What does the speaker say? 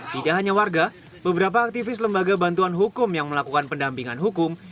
tidak hanya warga beberapa aktivis lembaga bantuan hukum yang melakukan pendampingan hukum